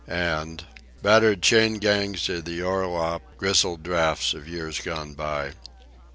" And: "Battered chain gangs of the orlop, grizzled draughts of years gone by